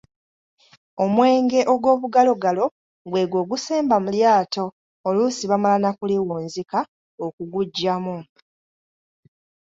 Omwenge ogw'obugalogalo gw'egwo ogusemba mu lyato oluusi bamala na kuliwunzika okuguggyamu.